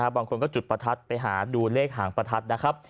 บางคนก็จุดประทัดไปหาดูเลขหางประทัดนะครับ